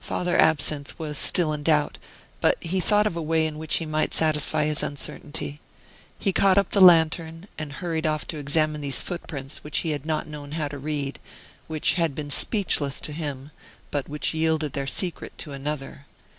Father Absinthe was still in doubt, but he thought of a way in which he might satisfy his uncertainty. He caught up the lantern and hurried off to examine these footprints which he had not known how to read, which had been speechless to him, but which yielded their secret to another.